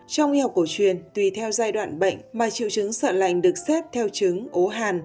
trong y học cổ truyền tùy theo giai đoạn bệnh mà triệu chứng sợ lành được xếp theo trứng ố hàn